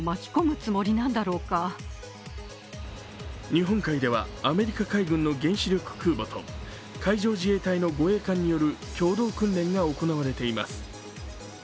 日本海では、アメリカ海軍の原子力空母と海上自衛隊の護衛艦による共同訓練が行われています。